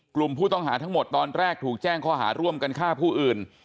กลุ่มผู้ต้องหาทั้งหมดตอนแรกถูกแจ้งข้อหาร่วมกันฆ่าผู้อื่น